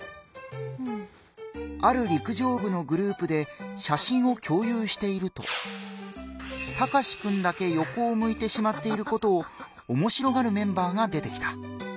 ある陸上部のグループで写真を共有しているとタカシくんだけよこを向いてしまっていることをおもしろがるメンバーが出てきた。